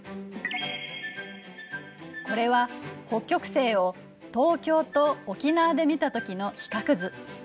これは北極星を東京と沖縄で見た時の比較図。